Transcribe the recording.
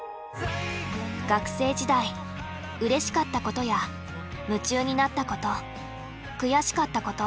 学生時代うれしかったことや夢中になったこと悔しかったこと。